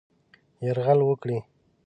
یرغل وکړي.